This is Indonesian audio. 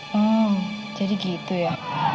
hmm jadi gitu ya